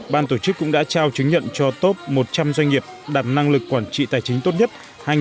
ban tổ chức cũng đã trao chứng nhận cho top một trăm linh doanh nghiệp đạt năng lực quản trị tài chính tốt nhất hai nghìn hai mươi